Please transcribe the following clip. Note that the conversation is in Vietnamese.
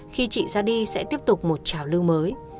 khi chị ra đi sẽ tiếp tục một trào lưu mới